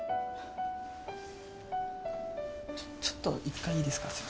ちょっと１回いいですか？